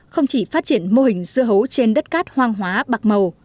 không chỉ phát triển mô hình dưa hấu trên đất cát hoang hóa bạc màu